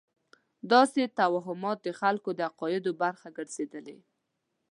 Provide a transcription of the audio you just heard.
داسې توهمات د خلکو د عقایدو برخه ګرځېدلې.